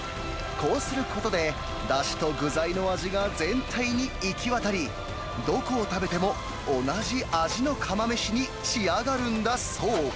こうすることで、だしと具材の味が全体に行き渡り、どこを食べても同じ味の釜飯に仕上がるんだそう。